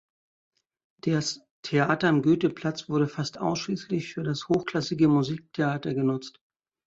Das Theater am Goetheplatz wurde fast ausschließlich für das hochklassige Musiktheater genutzt.